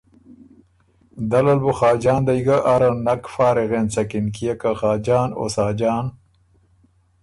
دل ال بُو خاجان دئ ګه اره نک فارغ اېنڅکِن کيې که خاجان او ساجان